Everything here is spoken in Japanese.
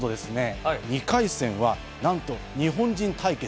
２回戦はなんと日本人対決。